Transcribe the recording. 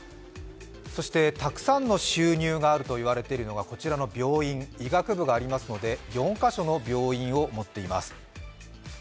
そしてたくさんの収入があると言われているのが病院、医学部がありますので、４カ所の病院を持っています。